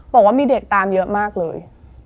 บอกว่ามีเด็กตามเยอะมากเลย